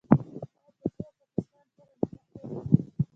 آیا ترکیه او پاکستان سره نه نښلوي؟